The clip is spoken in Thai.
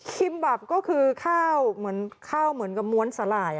คิมบับก็คือข้าวเหมือนกับม้วนสลาย